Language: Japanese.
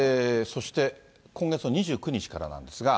そして今月の２９日からなんですが。